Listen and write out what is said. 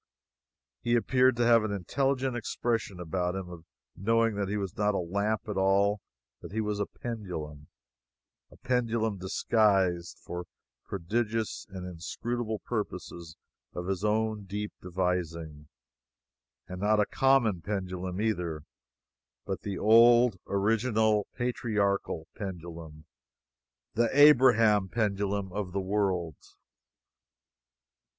He appeared to have an intelligent expression about him of knowing that he was not a lamp at all; that he was a Pendulum; a pendulum disguised, for prodigious and inscrutable purposes of his own deep devising, and not a common pendulum either, but the old original patriarchal Pendulum the Abraham Pendulum of the world.